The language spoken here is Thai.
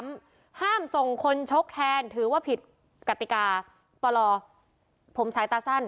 ห้ามส่งคนชกแทนถือว่าผิดกติกาปลผมสายตาสั้น